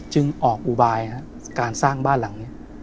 ออกอุบายการสร้างบ้านหลังนี้